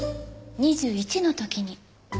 ２１の時に。